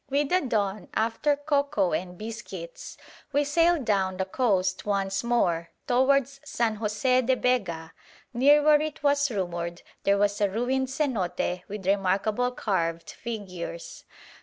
With the dawn, after cocoa and biscuits, we sailed down the coast once more towards San José de Bega, near where it was rumoured there was a ruined cenote with remarkable carved figures.